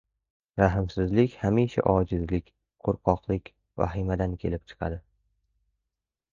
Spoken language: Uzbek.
Rahmsizlik hamisha ojizlik, qo‘rqoqlik, vahimadan kelib chiqadi.